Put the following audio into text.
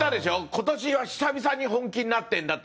今年は久々に本気になってるんだって。